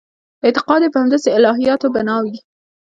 اعتقاد یې پر همدغسې الهیاتو بنا وي.